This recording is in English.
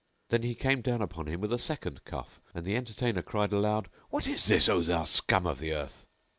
Then he came down upon him with a second cuff and the entertainer cried aloud "What is this, O thou scum of the earth?"